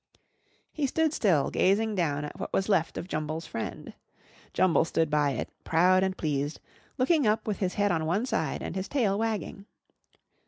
He stood still gazing down at what was left of Jumble's friend. Jumble stood by it, proud and pleased, looking up with his head on one side and his tail wagging.